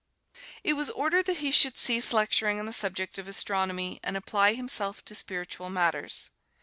It was ordered that he should cease lecturing on the subject of astronomy and apply himself to spiritual matters.